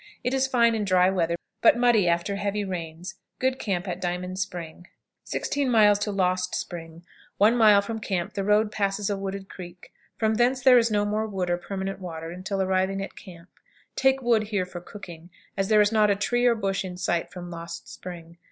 It is fine in dry weather, but muddy after heavy rains. Good camp at Diamond Spring. 16. Lost Spring. One mile from camp the road passes a wooded creek. From thence there is no more wood or permanent water until arriving at camp. Take wood here for cooking, as there is not a tree or bush in sight from Lost Spring.